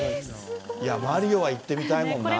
マリオは行ってみたいもんな。